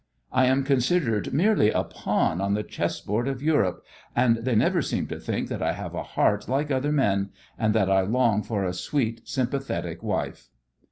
I am considered merely a pawn on the chessboard of Europe, and they never seem to think that I have a heart like other men, and that I long for a sweet, sympathetic wife."